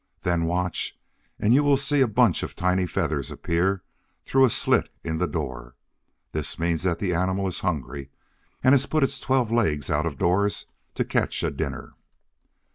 Then watch, and you will see a bunch of tiny feathers appear through a slit in the door. This means that the animal is hungry, and has put its twelve legs out of doors to catch a dinner!